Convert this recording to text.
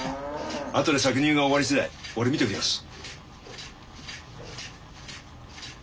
あとで搾乳が終わり次第俺見ときます。